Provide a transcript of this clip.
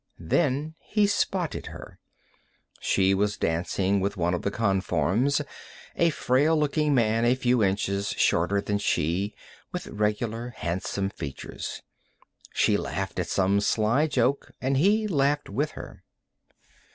Then he spotted her. She was dancing with one of the Conforms, a frail looking man a few inches shorter than she, with regular, handsome features. She laughed at some sly joke, and he laughed with her.